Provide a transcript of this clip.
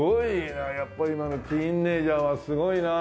やっぱり今のティーンエージャーはすごいな。